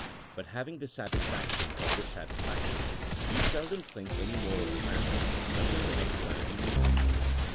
Bu£ having this satis faction or dissatisfaction, you seldom think any more of the matter until the next time you meet him.